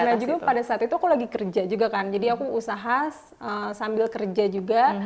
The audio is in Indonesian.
karena juga pada saat itu aku lagi kerja juga kan jadi aku usaha sambil kerja juga